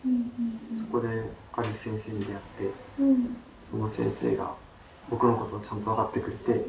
そこである先生に出会ってその先生が僕のことちゃんと分かってくれて。